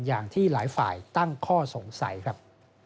อย่างที่หลายฝ่ายตั้งข้อสงสัยครับ